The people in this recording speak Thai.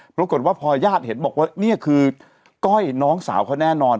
ปรากฏว่าพอญาติเห็นบอกว่านี่คือก้อยน้องสาวเขาแน่นอน